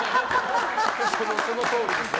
そのとおりです。